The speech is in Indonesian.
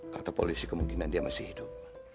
kata polisi kemungkinan dia masih hidup